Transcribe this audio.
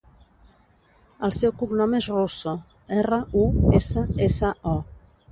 El seu cognom és Russo: erra, u, essa, essa, o.